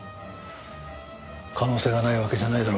可能性がないわけじゃないだろう。